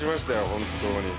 本当に。